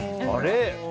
あれ？